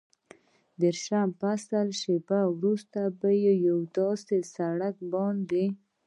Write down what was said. دېرشم فصل، شېبه وروسته پر یو داسې سړک باندې.